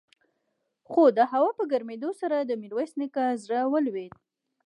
خو د هوا په ګرمېدو سره د ميرويس نيکه زړه ولوېد.